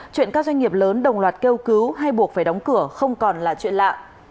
chuyện các doanh nghiệp lớn đồng loạt kêu cứu hay buộc phải đóng cửa không còn là chuyện lạ